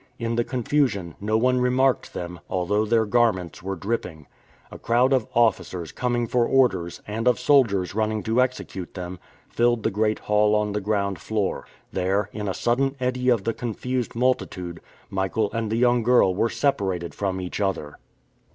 In the confusion, no one remarked them, although their garments were dripping. A crowd of officers coming for orders, and of soldiers running to execute them, filled the great hall on the ground floor. There, in a sudden eddy of the confused multitude, Michael and the young girl were separated from each other.